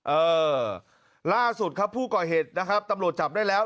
เออล่าสุดครับผู้ก่อเหตุนะครับตำรวจจับได้แล้ว